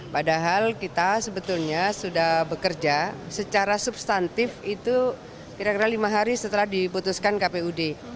padahal kita sebetulnya sudah bekerja secara substantif itu kira kira lima hari setelah diputuskan kpud